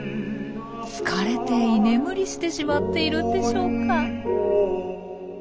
疲れて居眠りしてしまっているんでしょうか。